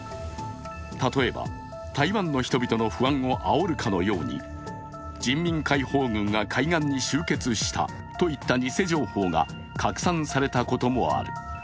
例えば、台湾の人々の不安をあおるかのように人民解放軍が海岸に集結したといった偽情報が拡散されたこともある。